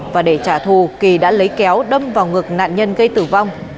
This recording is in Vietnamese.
và để trả thù kỳ đã lấy kéo đâm vào ngực nạn nhân gây tử vong